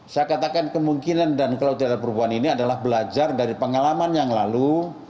saya katakan kemungkinan dan kalau tidak ada perubahan ini adalah belajar dari pengalaman yang lalu